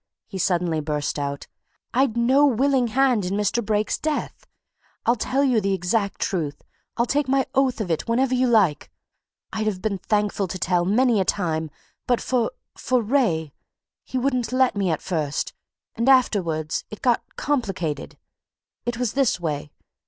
he suddenly burst out, "I'd no willing hand in Mr. Brake's death! I'll tell you the exact truth; I'll take my oath of it whenever you like. I'd have been thankful to tell, many a time, but for for Wraye. He wouldn't let me at first, and afterwards it got complicated. It was this way.